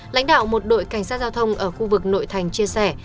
lãnh đạo một đội cảnh sát giao thông ở khu vực nội thành chia sẻ